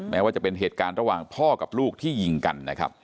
แม้ว่าจะเป็นเหตุการณ์ระหว่างพ่อกับลูกที่ยิงกันนะครับ